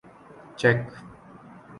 check